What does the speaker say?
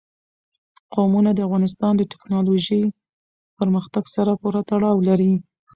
قومونه د افغانستان د تکنالوژۍ پرمختګ سره پوره تړاو لري.